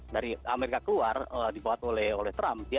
dari amerika keluar dibuat oleh trump